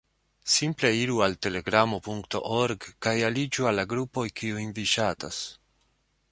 Simple iru al telegramo.org kaj aliĝu al la grupoj, kiujn vi ŝatas.